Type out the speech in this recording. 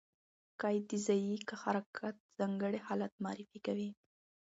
قید د ځایي حرکت ځانګړی حالت معرفي کوي.